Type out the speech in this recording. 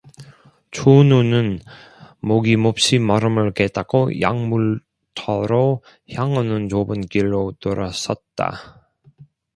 춘우는 목이 몹시 마름을 깨닫고 약물터로 향하는 좁은 길로 들어섰다.